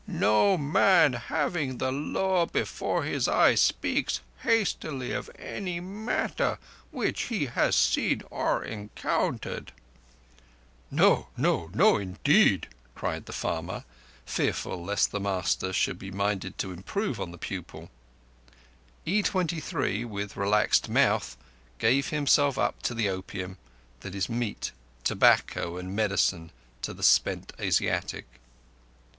No man having the Law before his eyes speaks hastily of any matter which he has seen or encountered." "No—no—no, indeed," cried the farmer, fearful lest the master should be minded to improve on the pupil. E23, with relaxed mouth, gave himself up to the opium that is meat, tobacco, and medicine to the spent Asiatic.